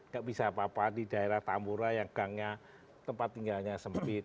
gak bisa apa apa di daerah tambora yang gangnya tempat tinggalnya sempit